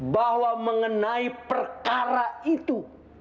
bahwa mengenai perkara itu